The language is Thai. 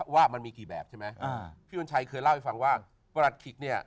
ว่ามันมีกี่แบบใช่ไหมอ่าพี่วันชัยเคยเล่าให้ฟังว่าประหลัดขิกเนี่ย